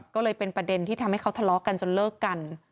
ก็เลยเป็นประเด็นที่ทำให้เขาทะเลาะกันจนเลิกกัน